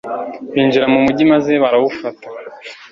binjira mu mugi maze barawufata